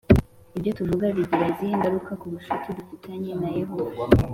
Ibyo tuvuga bigira izihe ngaruka ku bucuti dufitanye na Yehova